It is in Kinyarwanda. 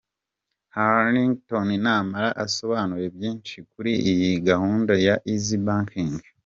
Hannington Namara asobanura byinshi kuri iyi gahunda ya Eazzy Banking.